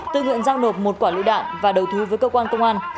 tự nguyện giao nộp một quả lựu đạn và đầu thú với cơ quan công an